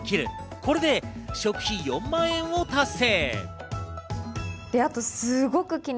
これで食費４万円を達成。